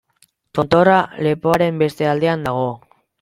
Tontorra, lepoaren beste aldean dago.